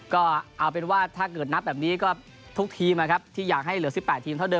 ก็เอาเป็นว่าถ้าเกิดนับแบบนี้ก็ทุกทีมนะครับที่อยากให้เหลือ๑๘ทีมเท่าเดิ